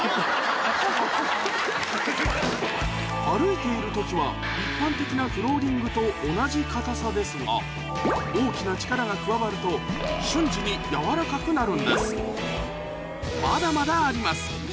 歩いている時は一般的なフローリングと同じ硬さですが大きな力が加わると瞬時にやわらかくなるんですまだまだあります！